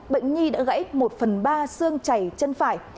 bệnh nhi đã gãy một phần ba xương chảy chân phải